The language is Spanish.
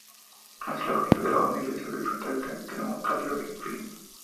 Es el bajista de la banda inglesa de metal extremo Cradle of Filth.